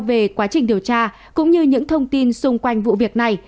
về quá trình điều tra cũng như những thông tin xung quanh vụ việc này